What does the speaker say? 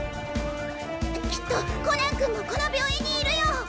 きっとコナン君もこの病院にいるよ！